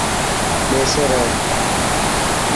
ٻيسي ري.